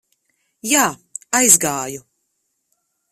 Jā, aizgāju.